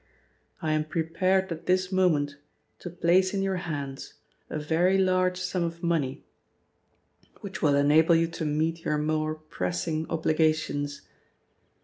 I am prepared at this moment to place in your hands a very large sum of money, which will enable you to meet your more pressing obligations.